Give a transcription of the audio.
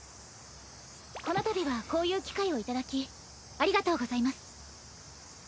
この度はこういう機会を頂きありがとうございます。